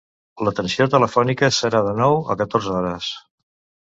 L'atenció telefònica serà de nou a catorze hores.